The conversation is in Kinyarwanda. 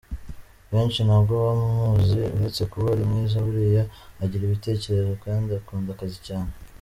Benshi ntabwo bamuzi, uretse kuba ari mwiza buriya agira ibitekerezo kandi akunda akazi cyane.